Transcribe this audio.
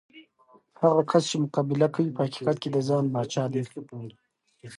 هغه کس چې مقابله کوي، په حقیقت کې د ځان پاچا دی.